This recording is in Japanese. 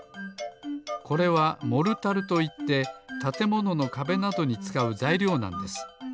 これはモルタルといってたてもののかべなどにつかうざいりょうなんです。